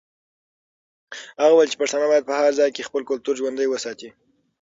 هغې وویل چې پښتانه باید په هر ځای کې خپل کلتور ژوندی وساتي.